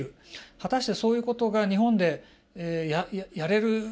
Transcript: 果たしてそういうことが日本でやれるのがいいのか。